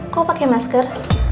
kok pake masker